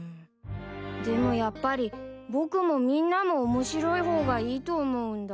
でもやっぱり僕もみんなも面白い方がいいと思うんだ。